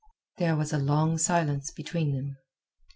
There was a long silence between them.